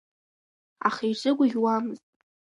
Аха ирзыгәаӷьуамызт…